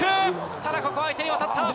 ただ、ここは相手に渡った。